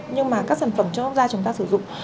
nhưng mà các sản phẩm chăm sóc da chúng ta sử dụng